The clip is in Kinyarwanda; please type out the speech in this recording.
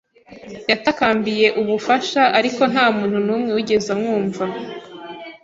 Yatakambiye ubufasha, ariko nta muntu numwe wigeze amwumva.